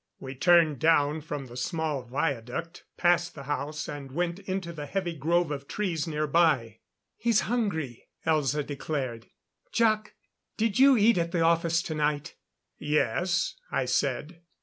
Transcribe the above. We turned down from the small viaduct, passed the house, and went into the heavy grove of trees nearby. "He's hungry," Elza declared. "Jac, did you eat at the office tonight?" "Yes," I said.